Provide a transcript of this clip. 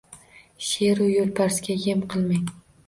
Sheru yo’lbarslarga yem qilmang.